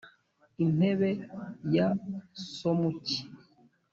intebe ya somuki,